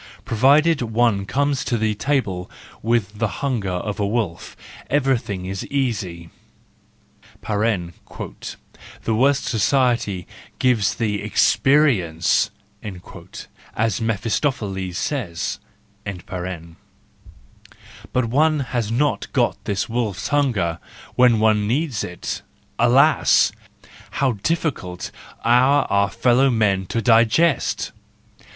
Provided one comes to the table with the hunger of a wolf everything is easy (" the worst society gives thee experience "— as Mephistopheles says); but one has not got this wolf s hunger when one needs it! Alas ! how diffi¬ cult are our fellow men to digest!